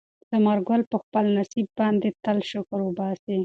ثمر ګل په خپل نصیب باندې تل شکر وباسي.